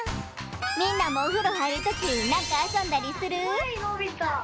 みんなもおふろはいるときなんかあそんだりする？